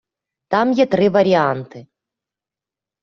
Там є три варіанти.